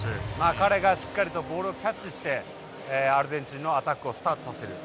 彼が、しっかりとボールをキャッチしてアルゼンチンのアタックをスタートさせる。